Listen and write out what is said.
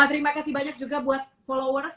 terima kasih banyak juga buat followers